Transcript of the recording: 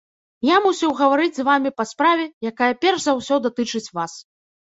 Я мусіў гаварыць з вамі па справе, якая перш за ўсё датычыць вас.